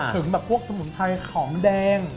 ถึงแบบพวกสมุนไพรของแดง